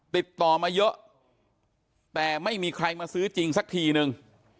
ติดต่อมาเยอะแต่ไม่มีใครมาซื้อจริงสักทีนึง